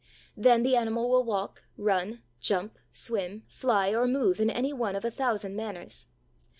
Then the animal will walk, run, jump, swim, fly, or move in any one of a thousand manners.